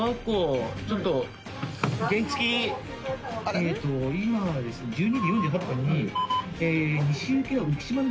えーっと今ですね１２時４８分に。